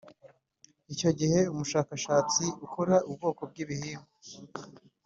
Icyo gihe umushakashatsi ukora ubwoko bw ibihingwa